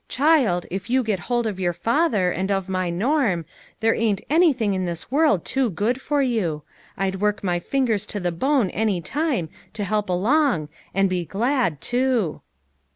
Child, if you get hold of your father, and of my Norm, there ain't anything in this world too good for you. I'd work my fingers to the bone any time to help along, and be glad to."